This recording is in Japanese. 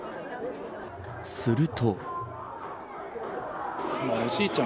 すると。